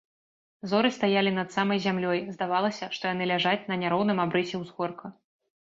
Зоры стаялі над самай зямлёй, здавалася, што яны ляжаць на няроўным абрысе ўзгорка.